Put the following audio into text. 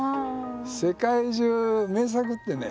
世界中名作ってね